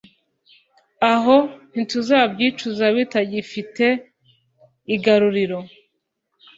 aho ntituzabyicuza bitagifite igaruriro